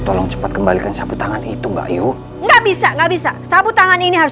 tolong cepat kembalikan saput tangan itu mbak yuk nggak bisa nggak bisa sapu tangan ini harus